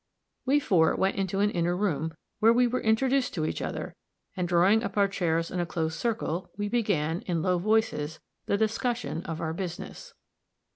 We four went into an inner room, where we were introduced to each other, and drawing up our chairs in a close circle, we began, in low voices, the discussion of our business.